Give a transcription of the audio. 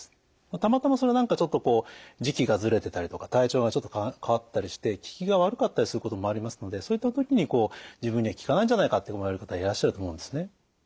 たまたま何かちょっとこう時期がずれてたりとか体調がちょっと変わってたりして効きが悪かったりすることもありますのでそういった時にこう自分には効かないんじゃないかって思われる方いらっしゃると思うんですね。